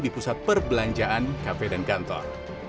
di pusat perbelanjaan kafe dan kantor